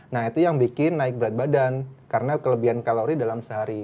nah itu yang bikin naik berat badan karena kelebihan kalori dalam sehari